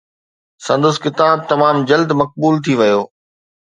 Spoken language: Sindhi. سندس ڪتاب تمام جلدي مقبول ٿي ويو.